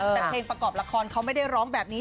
แต่เพลงประกอบละครเขาไม่ได้ร้องแบบนี้